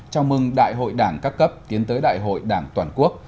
chào mừng đại hội đảng các cấp tiến tới đại hội đảng toàn quốc